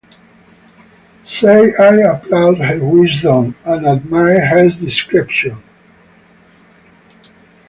Say I applaud her wisdom and admire her discretion.